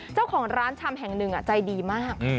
เจ้าของร้านชำแห่งหนึ่งใจดีมาก